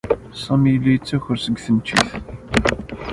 Sami yella yettaker seg tneččit.